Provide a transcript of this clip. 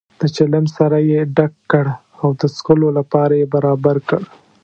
د چلم سر یې ډک کړ او د څکلو لپاره یې برابر کړ.